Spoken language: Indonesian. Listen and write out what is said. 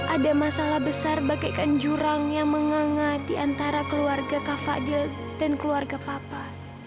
ada masalah besar bakaikan jurang yang mengangat di antara keluarga kak fadil dan keluarga papa